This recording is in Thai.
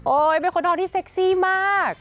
เป็นคนนอนที่เซ็กซี่มาก